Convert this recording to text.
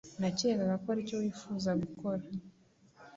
Nakekaga ko aricyo wifuza gukora.